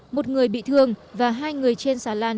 một người bị thương và hai người trên xà lan